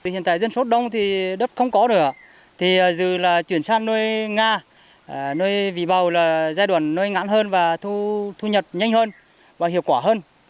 hiện tại dân số đông thì đất không có nữa thì dù là chuyển sang nuôi nga nuôi vị bào là giai đoạn nuôi ngãn hơn và thu nhật nhanh hơn và hiệu quả hơn